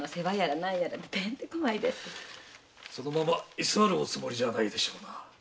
そのまま居座るおつもりじゃないでしょうな？